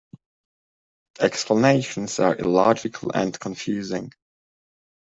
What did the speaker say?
Explanations are illogical and confusing.